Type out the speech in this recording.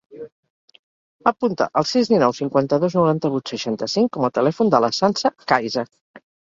Apunta el sis, dinou, cinquanta-dos, noranta-vuit, seixanta-cinc com a telèfon de la Sança Caiza.